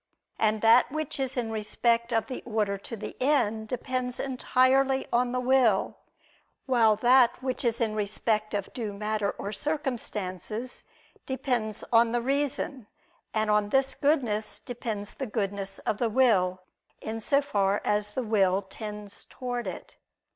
And that which is in respect of the order to the end, depends entirely on the will: while that which is in respect of due matter or circumstances, depends on the reason: and on this goodness depends the goodness of the will, in so far as the will tends towards it.